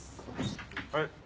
はい。